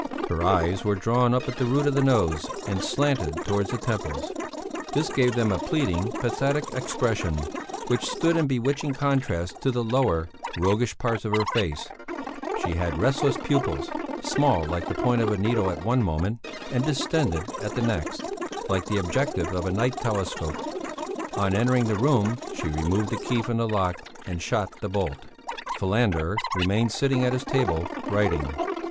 Her eyes were drawn up at the root of the nose and slanted towards the temples; this gave them a pleading, pathetic expression, which stood in bewitching contrast to the lower, roguish parts of her face; she had restless pupils, small like the point of a needle at one moment, and distended at the next, like the objective of a night telescope. On entering the room, she removed the key from the lock and shot the bolt. Falander remained sitting at his table, writing.